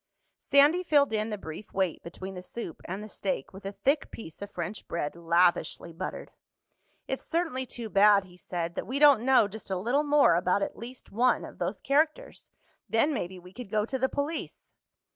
Sandy filled in the brief wait between the soup and the steak with a thick piece of French bread, lavishly buttered. "It's certainly too bad," he said, "that we don't know just a little more about at least one of those characters. Then maybe we could go to the police."